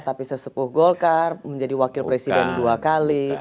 tapi sesepuh golkar menjadi wakil presiden dua kali